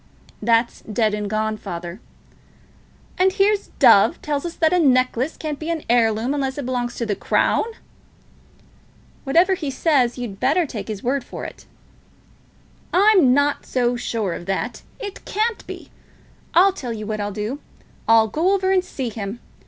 "That's done and gone, father." "And here's Dove tells us that a necklace can't be an heirloom, unless it belongs to the Crown." "Whatever he says, you'd better take his word for it." "I'm not so sure of that. It can't be. I'll tell you what I'll do. I'll go over and see him.